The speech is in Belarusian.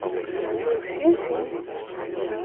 І ўсе з ім.